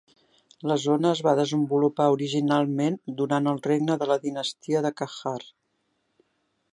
La zona es va desenvolupar originalment durant el regne de la dinastia de Qajar.